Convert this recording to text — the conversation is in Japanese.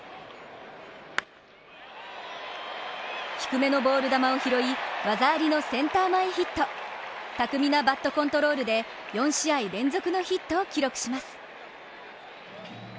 低めのボール球を拾い、技ありのセンター前ヒット、巧みなバットコントロールで４試合連続のヒットを記録します。